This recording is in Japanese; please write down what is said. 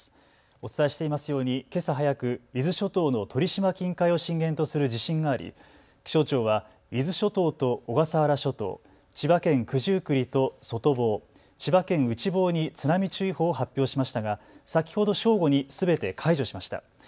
お伝えしていますようにけさ早く、伊豆諸島の鳥島近海を震源とする地震があり気象庁は伊豆諸島と小笠原諸島、千葉県九十九里と外房、千葉県内房に津波注意報を発表しましたが、先ほど正午にすべて解除しました。